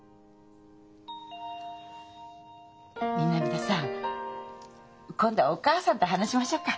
南田さん今度はお母さんと話しましょうか？